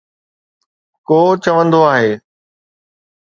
ڪو چوندو آهي